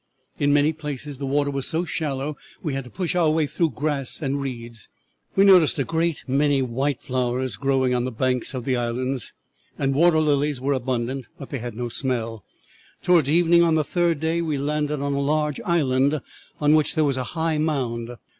In many places the water was so shallow we had to push our way through grass and reeds. We noticed a great many white flowers growing on the banks of the islands, and water lilies were abundant, but they had no smell. "'Towards evening, on the third day, we landed on a large island on which there was a high mound.